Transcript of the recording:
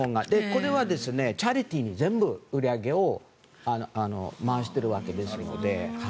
これはチャリティーに全部売り上げを回しているわけですので。